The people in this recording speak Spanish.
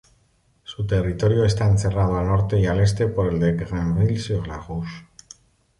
Su territorio está encerrado al norte y al este por el de Grenville-sur-la-Rouge.